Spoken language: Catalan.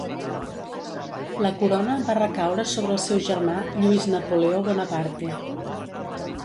La Corona va recaure sobre el seu germà, Lluís Napoleó Bonaparte.